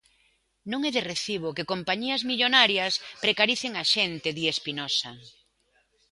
"Non é de recibo que compañías millonarias precaricen á xente", di Espinosa.